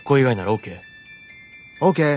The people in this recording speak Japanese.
「ＯＫ」。